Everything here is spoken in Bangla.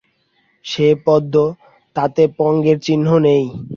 সে পদ্ম, তাতে পঙ্কের চিহ্ন নেই।